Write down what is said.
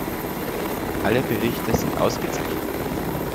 Alle Berichte sind ausgezeichnet.